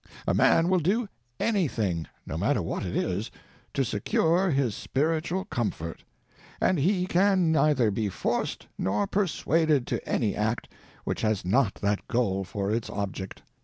A man will do anything, no matter what it is, to secure his spiritual comfort; and he can neither be forced nor persuaded to any act which has not that goal for its object.